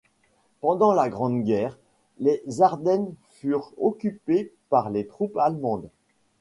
Pendant la Grande Guerre, les Ardennes furent occupées par les troupes allemandes.